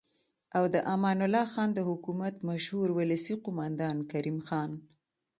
او د امان الله خان د حکومت مشهور ولسي قوماندان کریم خان